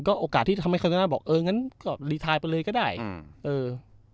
ก็โอกาสที่ทำให้คันตนาบอกเอองั้นก็ไปเลยก็ได้อืมเออ